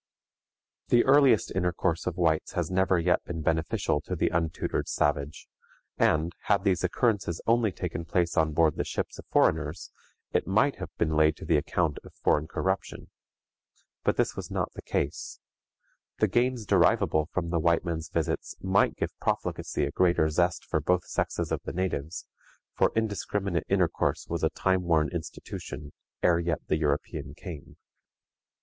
The earliest intercourse of whites has never yet been beneficial to the untutored savage, and, had these occurrences only taken place on board the ships of foreigners, it might have been laid to the account of foreign corruption. But this was not the case. The gains derivable from the white men's visits might give profligacy a greater zest for both sexes of the natives, for indiscriminate intercourse was a time worn institution ere yet the European came.